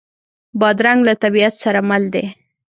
بادرنګ له طبیعت سره مل دی.